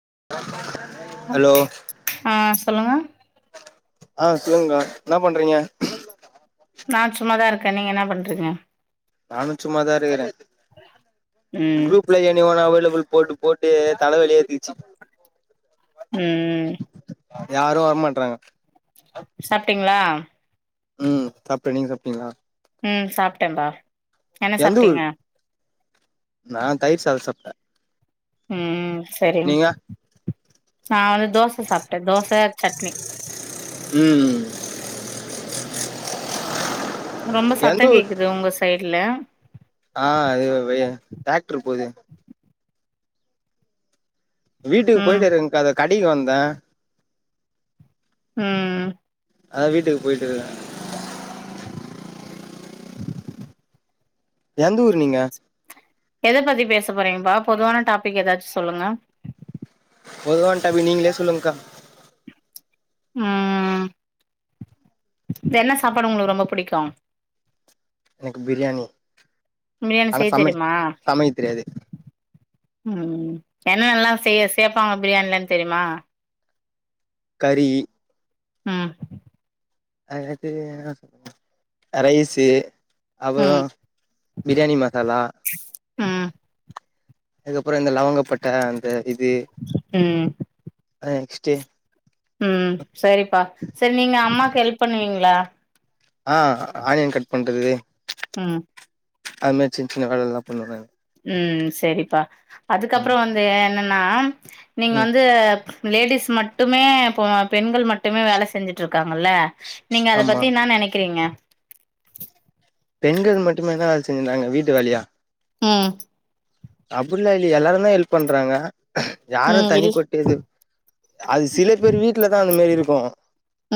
ஆஹ [inaudible] ஆ ஆ சொல்லுங்க ஆ சொல்லுங்கா என்ன பண்றீங்க நான் சும்மாதான் இருக்கேன் நீங்க என்ன பண்றீங்க நானு சும்மாதா இருக்குறேன் ம் குரூப்ல எனி ஒன் அவைலபில் போட்டு போட்டு தலைவளியே வந்துச்சான் உம் யாரும் வரமாட்றாங்க சாப்ட்டீங்ளா உம் சாப்படேன் நீங்க சாப்ட்டீங்ளா ம் சாப்ட்டேன் பா என்ன சாப்ட்டீங்க நான் தயிர் சாதம் சாப்டேன் உம் செரிங் நான் வந்து தோச சாப்ட்டேன் தோச சட்னி உம் உம் ரொம்ப சத்தம் கேக்குது உங்க சைடுல ஆ அது [unintelligible] டேக் ட்ரு போது வீட்டுக்கு ம் போயிட்டே இருக்கங்க்கா அது கடக்கி வந்தே ம் அதா வீட்டுக்கு போயிட்ருக்கே. [unintelligible] எந்த ஊர் நீங்க? எத பத்தி பேச போறீங்கப்பா பொதுவான டாபிக் ஏதாச்சு சொல்லுங்க. பொதுவான டாபிக் நீங்களே சொல்லுங்க்கா. ம் என்ன சாப்பாடு உங்களுக்கு ரொம்ப புடிக்கு? எனக்கு பிரியாணி பிரியாணி ஆனா செய்ய சம தெரியுமா சமைக்க தெரியாது. ம் என்னென்னல்லா செய்ய சேப்பாங்க பிரியாணிலனு தெரியுமா? கறி ம் அடுத்து அ ரைஸு அப்பறோ ம் பிரியாணி மசாலா ம் அதுக்கப்பறோ இந்த லவங்கப்பட்ட அந்த ம் ஆ நெக்ஸ்ட்டு ம் சரிப்பா சரி நீங்க அம்மாக்கு ஹெல்ப் பண்ணுவீங்களா? ஆ ஆனியன் கட் பண்றது ம் அது மாரி சின்ன சின்ன வேல எல்லா பண்ணுவே. ம் சரிப்பா. ம் அதுக்கப்றோ வந்து என்னென் னா நீங்க ம் வந்து லேடிஸ் மட்டுமே இப்போ ஆ பெண்கள் மட்டுமே வேலை செஞ்சுட்ருக் காங்கல்ல நீங்க அத ஆமா பத்தி என்னா நெனைக்கிறீங்க? பெண்கள் மட்டுமேனா எது செய்றாங்க வீட்டு வேலையா? ம் அப்டில்லா இல்லயே எல்லாருந்தா ஹெல்ப் பண்றாங்க. யாரு ம் இல் தனிப்பட்டு இது அது சில பேர் வீட்லதா அந்த மாரி இருக்கு.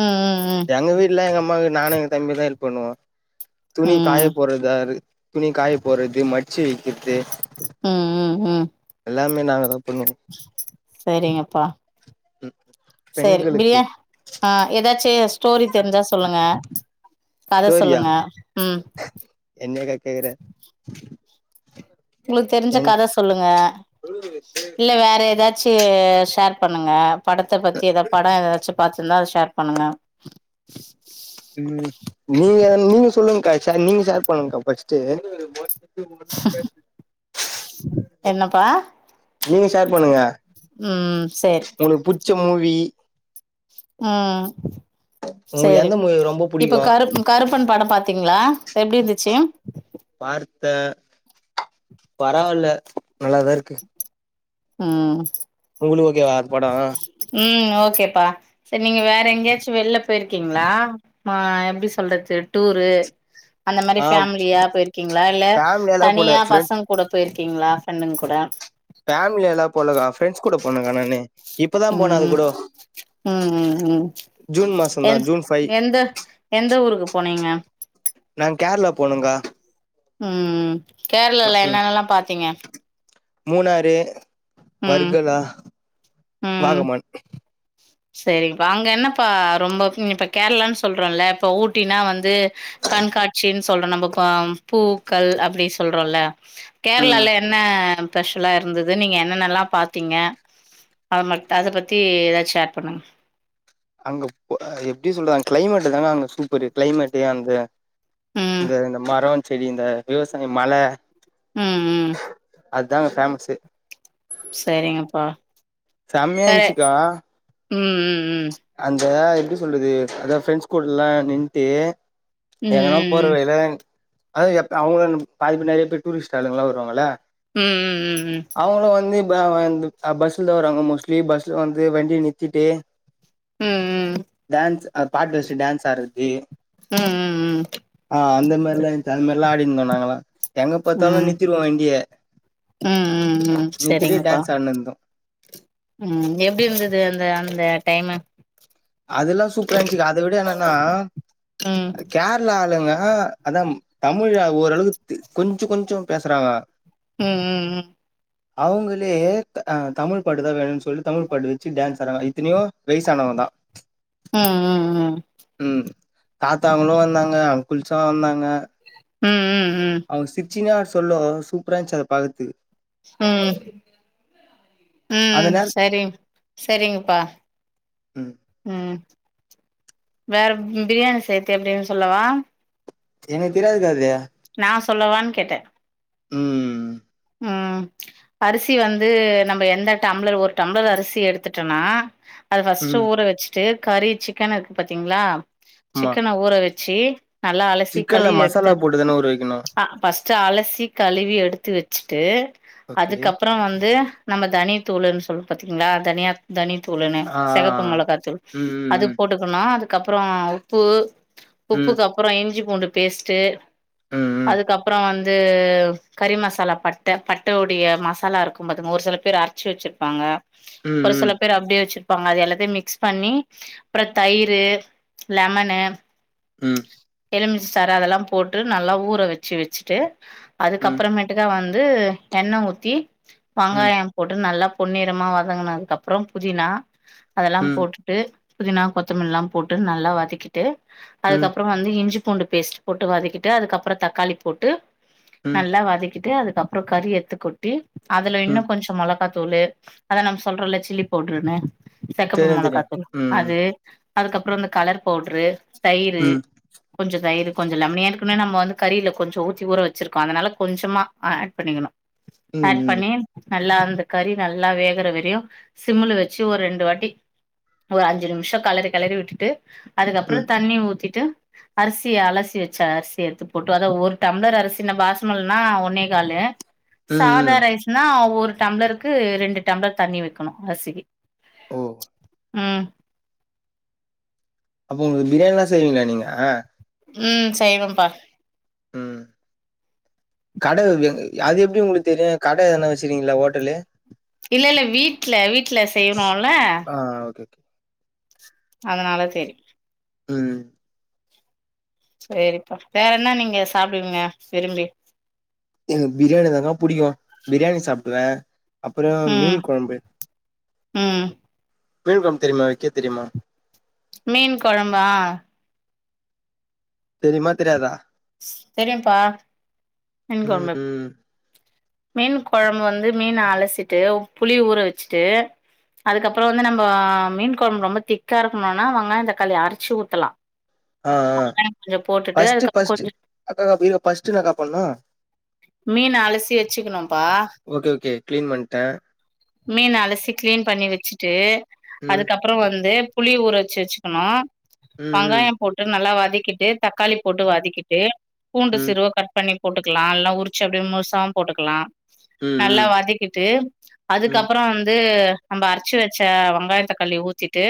ம் ம் எங்க வீட்ல எங்க அம் மாக்கு நானு என் தம்பிதா ஹெல்ப் பண்ணுவோ. ம் துணி காய ம் போட்றது அது துணி காய போட்றது மட்ச்சு வை க்கிறது ம் ம் ஹும் எல்லாமே நாங்க தா பண்ணுவோ ம் செரி பிரியா ஆ எதாச்சு ஸ்டோரி தெருஞ்சா சொல்லுங்க கத ஸ்டோரியா சொல்லுங்க ம் என்னக்கா கேக்குற உங்களுக்கு தெரிஞ்ச என் கத சொல்லுங்க இல்ல வேற எதா ச்சு ஷேர் பண்ணுங்க படத்த பத்தி எதா பட எதாச்சு பாத்துருந்தா அத ஷேர் பண்ணுங்க ம் நீங்க நீங்க சொல்லுங்க்கா நீங்க ஷேர் பண்ணுங்க்கா ஃபஸ்ட்டு என்னப்பா நீங்க ஷேர் பண்ணுங்க ம் சேர் உங்களுக்கு புடிச்ச மூவி ம் உங்களுக்கு சேரி எந்த மூவி ரொம்ப இப்ப புடிக்கு கருப் கருப்பன் படம் பாத்தீங்ளா எப்டி இருந்துச்சு? பார்த்த பரவல்ல நல்லாதாருக்கு ம் [unintelligible] படொ ம் ஓகேப்பா செர் நீங்க வேற எங்யாச்சு வெள்ல போயிருக்கீங்ளா? ஆ எப்டி சொல்றது டூரு அந்த மாரி ஆ ஃபேமிலியா போயிருக்கீங்ளா இல்ல ஃபேமிலியாலா போல தனியா ஃப்ரெண்ட்ஸ் பசங்கூட போயிருக் கீங்ளா ஃப்ரெண்டுங் கூட ஃபேமிலியாலா போலகா ஃப்ரெண்ட்ஸ் கூட போனகா நானு இப்பதா போனே அது ம் கூடோ ம் ம் ம் ஜூன் மாசந்தா எந் ஜூன் ஃபைவ் எந்த எந் த ஊருக்கு போனீங்க நாங் கேரளா போணொங்கா ம் கேரளால என்னென்னல்லா பாத்தீங்க? மூணாறு ம் வர்கலா வாகமண் செரிப்பா அங்க என்னப்பா ரொம்ப இப்ப கேரளான்னு சொல்றோல இப்ப ஊட்டினா வந்து கண்காட்சின் சொல்றோ நம்ம இப்பம் பூக்கள் அப்டி சொல்றோல ம் கேரளால என்ன ஸ்பெஷலா இருந்துது நீங்க என்னென்ன எல்லா பாத்தீங்க அ ம அதபத்தி ஏதாச்சு ஷேர் பண்ணுங்க அங்க எப்டி சொல்றாங்க கிளைமேட் தாங்க அங்க சூப்பரு கிளைமேட்டு அந்த ம் இந்த இந்த மரம் செரி இந்த விவசாயம் மலை ம் ம் அதான் அங்க பேமஸு செரிங்கப்பா செமைய இருந்திச்சிகா ம் அந்த எப்டி சொல்றது அதா ஃபிரண்ட்ஸ் கூடல்லாம் நின்னுட்டு ம் எங்கன்னா ஃபோர் ம் வே ல அத அப்ப அவுங்க பாதி நிறைய பேரு டூரிஸ்ட் ஆளுங்களா வருவாங்கல ம் ம் அவங்கள வந்து அ வந்து அ பஸ்ல வரவங்க மோஸ்ட்லி பஸ்ல வந்து வண்டிய நறுத்திட்டு ம் ம் டான்ஸ் அ பாட்டு வச்சு டான்ஸ் ஆடுறது ம் ம் ஆ அந்த மாரி தா இருந்து அந்த மா நல்லா ஆடிந்தோம் நாங்கலாம் எங்க ம் ம் பாத்தாலு ம் ம் ம் ம் ம் நிறுத்திருவோ வண்டிய ம் ம் நீ திடிர் சரிங்கப்பா டான்ஸ் ஆடனு இருந்தோ ம் எப்டி இருந்தது அந்த அந்த டைமு அதெல்லா சூப்பரா இருந்துச்சுக்க அத விட என்னன்னா ம் கேரளா ஆளுங்க ஆ அதாம் தமிழ் ஓரளவுக்கு கொஞ்சோ கொஞ்சோ பேசுறாங்க ம் ம் ம் அவங்களே அ தமிழ் பாட்டு தான் வேணும்னு சொல்லி தமிழ் பாட்டு வச்சு டான்ஸ் ஆடுறாங்க இத்தனையும் வயசானவங்க தா ம் ம் ம் ம் தாத்தாங்களு வந்தாங்க அங்க்குள்ஸு வந்தாங்க. ம் ம் அவுங்க சி ச்சியா சொல்லோ சூப்பரா இருந்துச்சு அத பாக்குறதுக்கு. ம் அந்த ம் நேர சரி சரிங்கப்பா ம் ம் வேற ப் பிரியாணி செய்றது எப்டின்னு சொல்லவா? எனக்கு தெரியாதுக்கா அது. நா சொல்லவான்னு கேட்டே. ம் ம் அரிசி வந்து நம்ப எந்த டம்ளர் ஒரு டம்ளர் அரிசி எடுத்துட்டோன்னா அத ஃபஸ்ட்டு ம் ஊற வச்சுட்டு கறி சிக்கன் இருக்கு பாத்தீங்களா ஆமா சிக்கன ஊற வ ச்சு நல்லா அலசி சிக்கன்ல கழுவி எடுத்து மசாலா போட்டு தான ஊற வைக்கணு ஆ ஃபர்ஸ்ட் அலசி கழுவி எடுத்து வ ச்சுட்டு ஓகே அதுக்கப்பறோ வந் து நம்ம தனியா தூளுனு சொல்வோ பாத்தீங்களா தனியா தனி தூளுன்னு ஆ ஆ, செகப்பு ஆ. மெளகா தூள் ம் அது ம் போட்டுக்கணு அது க்கப்பறோ உப்பு ம் உப்புக்கு அப்புறோ இஞ்சிப் பூண்டு பேஸ்ட்டு ம் அதுக்கப்புறோ வந் து கறி மசாலா பட்ட பட்டவுடைய மசாலா இருக்கும் பாத்துக்கங்க ஒரு சில பேரு அரச்சு வச்சுருப்பாங்க. ம் ஒரு ம் சில பேர் அப்டியே வச்சுரு ப்பாங்க அது எல்லாத்தையு மிக்ஸ் பண்ணி அப்றோ தயிரு லெமனு ம் எலுமிச்ச சாறு அதெல்லா போட்டு நல்லா ஊற வச்சு வச்சுட்டு ம் அதுக்கப்புறமேட்டுக்கா வந் து எண்ண ஊத்தி ம் ம் வெங்காயோ போட்டு நல்லா பொன்னிறமா வதங்குனதுக்கு அப்றோ புதினா அதெல்லா ம் போட்டுட்டு புதினா கொத்தமல்லிலா போட்டு நல்லா வதக்கிட்டு ம் அதுக்கப்பறோ வந்து இஞ்சிப் பூண்டு பேஸ்ட் போட்டு வதக்கிட்டு அதுக்கப்புறோ தக்காளி போட்டு ம் நல்லா வதக்கிட்டு அது அப்றோ கறி எட்த்து கொட்டி அதுல இன்னு ம் கொஞ்ச மொளகாத் தூளு அத நம் சொல்றோல்ல சில்லி பவுட்ருன்னு செகப்பு தெரியு தெரியு மொளகாத்தூள் ம் அது அதுக்கப்றோ இந்த கலர் பவுட்ரு தயிரு ம் கொஞ்சொ தயிரு கொஞ்ச லெமனு ஏற்கனவே நம்ம வந்து கறில கொஞ்ச ஊத்தி ஊற வச்சுருக்கோ அதுனால கொஞ்சமா ஆட் பண்ணிக்கணு ம் ஆட் ம் பண்ணி நல்லா அந்த கறி நல்லா வேகற வரையு சிம்முல வச்சு ஒர் ரெண்டு வாட்டி ஒரு அஞ்சு நிமிஷொ கலறி கலறி விட்டுட்டு ம் அதுக்கப்றத் ண்ணி ஊத்திட்டு அரிசி அலசி வச்ச அரிசி எட்த்து போட்டு அதா ஒரு டம்ளர் அரிசின பாசுமல்னா ஒன்னே காலு ம் ம் சாதா ரைஸ்னா ஒ ரு டம்ளருக்கு ரெண்டு டம்ளர் தண்ணி வக்கணு அரிசிக்கு ஓ ம் உங்கு பிரியாணில்லா செய்வீங்ளா நீங்க ம் செய்வம்பா ம். கட [unintelligible] அது எப்டி உங்களுக் தெரியு கட எதனா வச்சுருகிங்ளா ஹோட்டலு இல்லெல்ல வீட்ல வீட்ல செய்றோல்ல ஆ ஓகே, ஓகே. அதனால தெரி ம் சேரிப்பா வேற என்ன நீங்க சாப்டுவிங்க விரும்பி பிரியாணிதாங்கா புடிக்கு பிரியாணி சாப்டுவே அப்புறோ மீன் ம் கொழம்பு ம் மீன் கொழம்பு தெரிமா வக்க தெரியுமா? மீன் கொழம்பா தெரிம்மா தெரியாதா தெரியும்பா மீன் ம், கொழம்பு ம். மீன் கொழம்பு வந்து மீன அலசிட்டு புளி ஊற வச்சுட்டு அதுக்கப்றோ வந்து நம்ப மீன் கொழம்பு ரொம்ப திக்கா இருக்கணுனா வெங்காய தக்காளி அரச்சு ஊத்தலா ஆ ஆ வெங்காயோ கொஞ்சோ போட்டுட்டு ஃபஸ்டு அதுக்கப் ஃபஸ்டு அக்காக்கா இருகா ஃபஸ்ட்டு இன்னாக்கா பண்ணு மீன அலசி வச்சுக்கணும்ப்பா ஓகே, ஓகே. கிளீன் பண்ட்டே. மீன அலசி க்ளீன் பண்ணி வச்சுட்டு ம், அதுக்கப்றோ வந்து புளி ஊற வச்சு வச்சுக்கணு ம், ம். வெங்காயம் போட்டு நல்லா வ வதக்கிட்டு தக்காளி போட்டு வதக்கிட்டு பூண்டு ம், சிறுவ கட் பண்ணி போட்டுக்கலா இல்ல உரிச்சு அப்டியே முழுசாவு போட்டுக்கலா. ம், நல்லா ம். வதக்கிட்டு ம், அதுக்கப்பறோ வந்து நம்ப அரச்சு வச்ச வெங்காயோ தக்காளி ஊத்திட்டு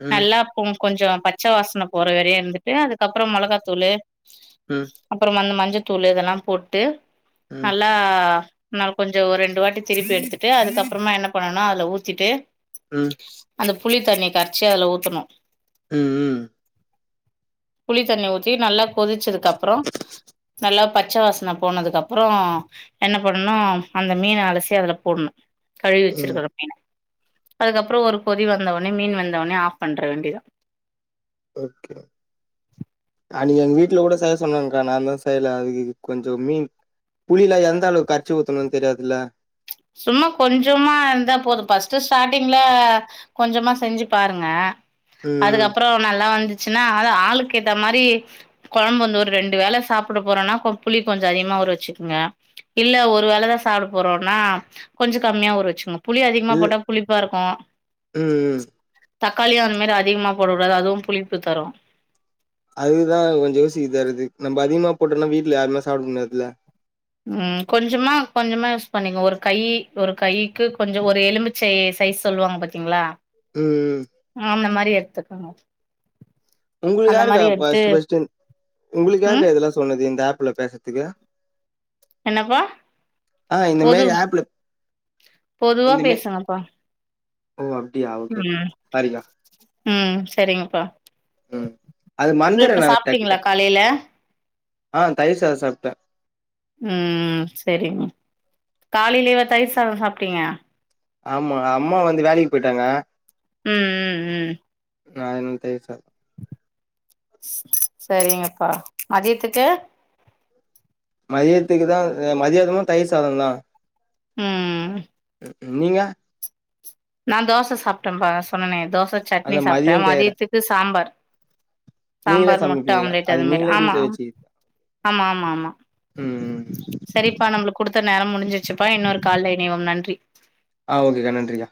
ம், நல்லா பொங் கொஞ்சோ பச்ச வாசன போற வரையு இருந்துட்டு அதுக்கப்புறோ மொளகாத்தூளு ம், அப்புறோ அந்த மஞ் சத்தூளு இதெல்லாம் போட்டு ம், நல்லா னால் கொஞ்சோ ஒரு ரெண்டு வாட்டி திருப்பி எடுத்துட்டு அதுக்கப்புறமா என்ன பண்ணனுன்னா அதுல ஊத்திட்டு ம் அந்த புளி தண்ணிய கரைச்சு அதுல ஊத்தணு. ம் ம் புளி தண்ணி ஊத்தி நல்லா கொதிச்சது க்கப்றோ நல்லா பச்ச வாசன போனதுக்கு அப்றோ என்ன பண்ணனு அந்த மீன அலசி அதுல போடணு. கழுவி ம், வச்சிருக்கற மீன. அதுக்கப்றோ ஒரு கொதி வந்தவுட்னே மீன் வெந்தவுட்னே ஆஃப் பண்ற வேண்டியதா ஓகே நாளைக்கி எங்க வீட்ல கூட செய்ய சொன்னாங்க்கா நாந்தா செய்யல அது இது கொஞ்ச மீன் புளிலா எந்த அளவுக்கு கரச்சி ஊத்தணுன்னு தெரியாதுல்ல. சும்மா கொஞ்சமா இருந்தா போது. ஃபஸ்ட்டு ஸ்டார்டிங்ல கொஞ்சமா செஞ்சு பாருங்க. ம் ம் அதுக்கப்றோ நல்லா வந்துச் சுன்னா அது ஆளுக்கேத்தா மாரி கொழம்பு வந்து ஒரு ரெண்டு வேள சாப்படப் போறோன்னா கொ புளி கொஞ்ச அதிகமா ஊற வச்சுக்குங்க இல்ல ஒரு வேளதா சாப்ட போறோன்னா கொஞ்ச கம்மியா ஊற வச்சுக்ங்க புளி அதிகமா இது போட்டா புளிப்பா இருக்கு. ம் ம் தக்காளியு அந்த மாரி அதிகமா போடக்கூடாது அதுவு புளிப்பு தரு. அதுதா இல்ல யாருமே சாப்ட முடியாதுல்ல. ம் கொஞ்சமா கொஞ்சமா யூஸ் பண்ணிக்கங்க ஒரு கை ஒரு கைக்கு கொஞ்ச ஒரு எலுமிச்சை சைஸ் சொல்வாங்க பாத்தீங்ளா ம் ம் அந்த மாரி எடு த்துக்கணு உங்களுக்கு யாருக்கா ஃபஸ்ட் ஃபஸ்ட்டு உங்களுக்கு ம் யாருக்கா இதெல்லா சொன்னது இந்த ஆப் ல பேசறதுக்கு? என்னப்பா? ஆ இந்த பொது மாரி ஆப்ல பொதுவா இந்த மே பேசுங்கப்பா. ஓ அப்டியா ஓகே ஓகே ம் சாரிக்கா. ம் சரிங்கப்பா. ம் அது ப்றோ மறந்துறே இப்ப நானு டக்கு சாப்டீங்ளா டக்குனு காலைல? ஆ தயிர் சாதோ சாப்டே. ம் செரிங்க காலையிலேவா தயிர் சாதோ சாப்டீங்க? ஆமா அம்மா வந்து வேலைக்கு போயிட்டாங்க. ம் ம் ம் நா என்ன தயிர் சாத சரிங்கப்பா மதியத்துக்கு? மதியத்துக்குதா ஆ மதியானமு தயிர் சாதந்தா. ம் நீங்க? நா தோச சாப்ட்டேம்பா சொன்னனே தோச சட்னி அதா சாப்ட்ட மதியோ கேக்குறே மதியத்துக்கு சாம்பார் நீங்களே சாம்பார் முட்ட சமைப்பீங்களா ஆம்லேட் அது மாரி நீங்களே ஆமா வீட்ல வச்சு ஆமா ஆமா ஆமா. ம் ம். சரிப்பா நம்மளுக்கு குடுத் த நேரோ முடிஞ்சிரு ச்சுப்பா இன்னொரு கால்ல இணைவோ நன்றி. ஆ ஓகேக்கா நன்றிக்கா